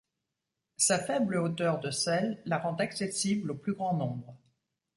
Sa faible hauteur de selle la rend accessible au plus grand nombre.